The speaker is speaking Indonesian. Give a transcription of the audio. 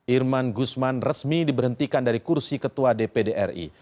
irman guzman resmi diberhentikan dari kursi ketua dpd ri